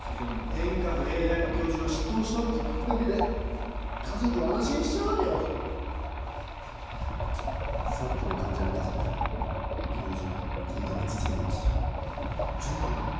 天下の永大の教授が執刀したと聞くだけで家族が安心するんださっきの患者の家族教授にこれだけ包んだらしい１０万？